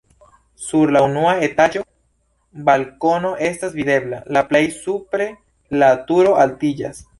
Sur la unua etaĝo balkono estas videbla, la plej supre la turo altiĝas.